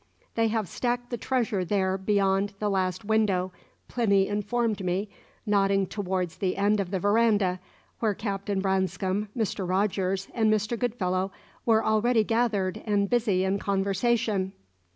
"They have stacked the treasure there beyond the last window," Plinny informed me, nodding towards the end of the verandah, where Captain Branscome, Mr. Rogers, and Mr. Goodfellow were already gathered and busy in conversation.